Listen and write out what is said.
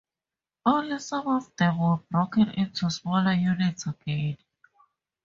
Only some of them were broken into smaller units again.